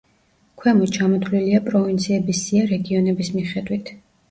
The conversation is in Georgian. ქვემოთ ჩამოთვლილია პროვინციების სია რეგიონების მიხედვით.